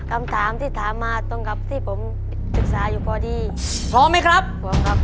คำถามที่ถามมาตรงกับที่ผมศึกษาอยู่พอดีพร้อมไหมครับพร้อมครับ